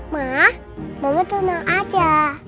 ma mama tenang aja